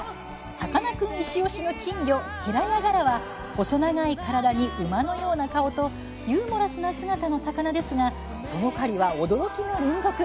さかなクン、イチおしの珍魚ヘラヤガラは細長い体に馬のような顔とユーモラスな姿の魚ですがその狩りは驚きの連続。